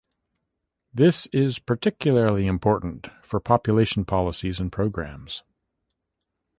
This is particularly important for population policies and programmes.